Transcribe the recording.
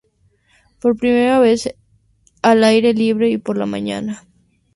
Por primera vez al aire libre y por la mañana.